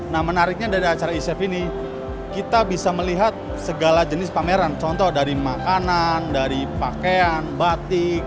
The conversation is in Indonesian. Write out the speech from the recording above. nah menariknya dari acara e chef ini kita bisa melihat segala jenis pameran contoh dari makanan dari pakaian batik